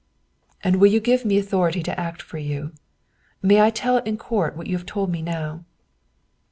" And will you give me authority to act for you ? May I tell in court what you have told me now?"